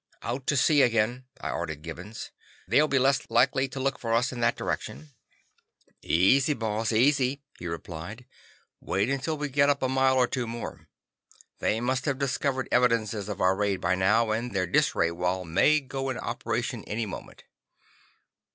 "Out to sea again," I ordered Gibbons. "They'll be less likely to look for us in that direction." "Easy, Boss, easy," he replied. "Wait until we get up a mile or two more. They must have discovered evidences of our raid by now, and their dis ray wall may go in operation any moment."